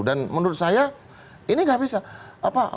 dan menurut saya ini nggak bisa